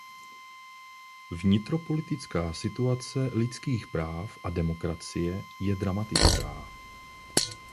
Vnitropolitická situace lidských práv a demokracie je dramatická.